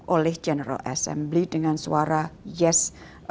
oleh general assembly dengan suara yes satu ratus dua puluh